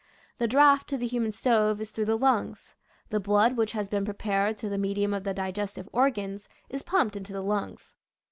The draft to the human stove is through the lungs. The blood which has been prepared through the medium of the digestive organs is pumped into the lungs.